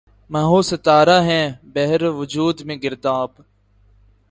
مہ و ستارہ ہیں بحر وجود میں گرداب